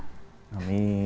pondok pesantrenya sudah ada